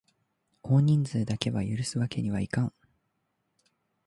多人数だけは許すわけにはいかん！